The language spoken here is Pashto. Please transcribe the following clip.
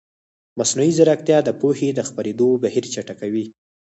مصنوعي ځیرکتیا د پوهې د خپرېدو بهیر چټکوي.